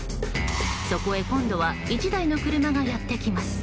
そこへ、今度は１台の車がやってきます。